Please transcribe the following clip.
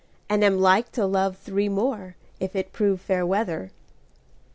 And am like to love three more, If it prove fair weather.